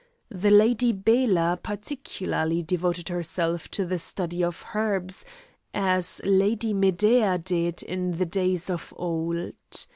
The Lady Bela particularly devoted herself to the study of herbs, as Lady Medea did in the days of old.